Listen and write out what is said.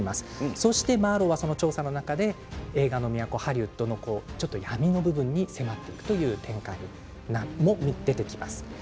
そしてマーロウは調査の中で映画の都ハリウッドの闇の部分に迫っていくという展開も出てきます。